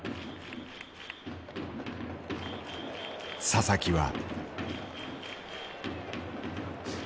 佐々木は。